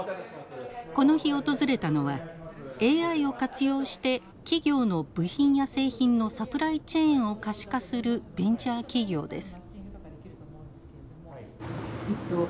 この日訪れたのはＡＩを活用して企業の部品や製品のサプライチェーンを可視化するベンチャー企業です。